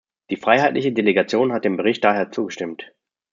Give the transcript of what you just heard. Die Freiheitliche Delegation hat dem Bericht daher zugestimmt.